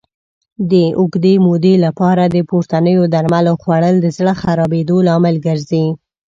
د اوږدې مودې لپاره د پورتنیو درملو خوړل د زړه خرابېدو لامل ګرځي.